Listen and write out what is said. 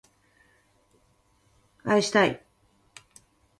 愛したい